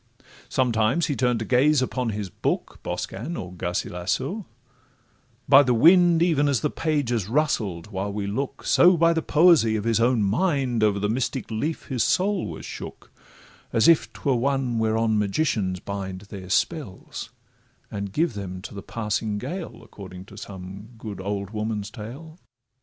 Sometimes he turn'd to gaze upon his book, Boscan, or Garcilasso;—by the wind Even as the page is rustled while we look, So by the poesy of his own mind Over the mystic leaf his soul was shook, As if 'twere one whereon magicians bind Their spells, and give them to the passing gale, According to some good old woman's tale.